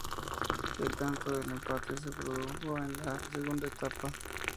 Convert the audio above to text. El tanto del empate se produjo en la segunda etapa.